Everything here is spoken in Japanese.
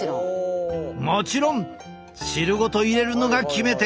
もちろん汁ごと入れるのが決め手！